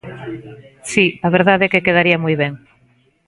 Si, a verdade é que quedaría moi ben.